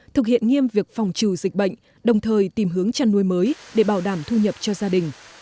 thực hiện nghiêm việc phòng trừ dịch bệnh đồng thời tìm hướng chăn nuôi mới để bảo đảm thu nhập cho gia đình